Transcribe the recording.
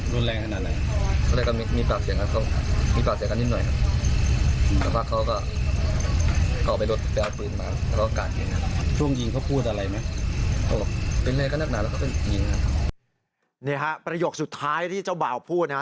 นี่ฮะประโยคสุดท้ายที่เจ้าบ่าวพูดนะฮะ